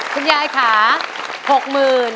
คุณยายค่ะ๖หมื่น